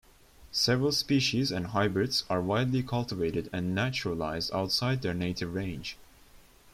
Several species and hybrids are widely cultivated and naturalized outside their native range.